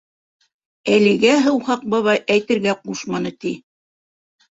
Әлегә һыуһаҡ бабай әйтергә ҡушманы, ти!